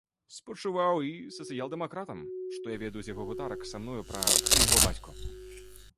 Спачуваў і сацыял-дэмакратам, што я ведаю з яго гутарак са мною пра майго бацьку.